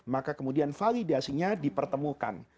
maka kemudian validasinya dipertemukan